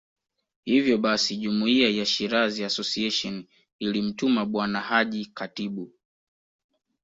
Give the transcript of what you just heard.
Hivyo basi Jumuiya ya Shirazi Association ilimtuma Bwana Haji Khatibu